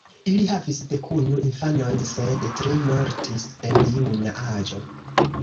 Ili havis dekunu infanojn, sed tri mortis en juna aĝo.